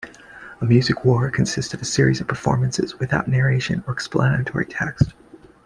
A Music War consists of a series of performances, without narration or explanatory text.